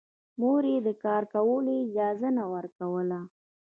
مور يې د کار کولو اجازه نه ورکوله